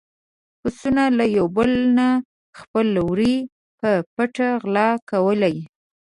پسونو له يو بل نه خپل وړي په پټه غلا کولې.